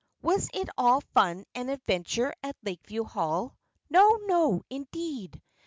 Was it all fun and adventure at Lakeview Hall? No, no, indeed!